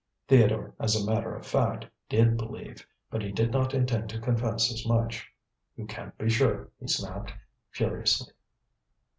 Theodore, as a matter of fact, did believe, but he did not intend to confess as much. "You can't be sure," he snapped, furiously.